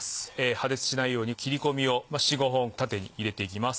破裂しないように切り込みを４５本縦に入れていきます。